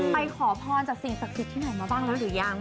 ไปขอพรจากสศศักยศใหม่มาหรือยัง